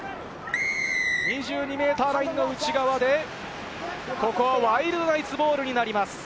２２ｍラインの内側でここはワイルドナイツボールになります。